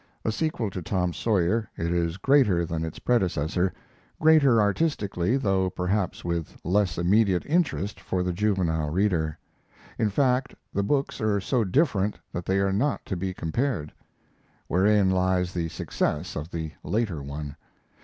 A sequel to Tom Sawyer, it is greater than its predecessor; greater artistically, though perhaps with less immediate interest for the juvenile reader. In fact, the books are so different that they are not to be compared wherein lies the success of the later one.